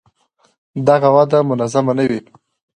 دغه وده منظمه نه وي.